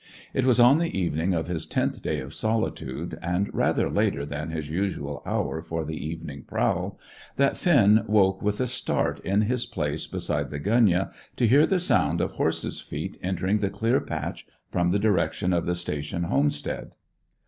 It was on the evening of his tenth day of solitude, and rather later than his usual hour for the evening prowl, that Finn woke with a start in his place beside the gunyah to hear the sound of horse's feet entering the clear patch from the direction of the station homestead.